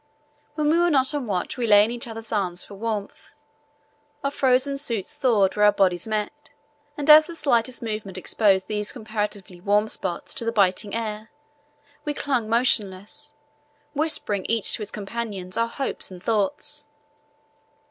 When we were not on watch we lay in each other's arms for warmth. Our frozen suits thawed where our bodies met, and as the slightest movement exposed these comparatively warm spots to the biting air, we clung motionless, whispering each to his companion our hopes and thoughts.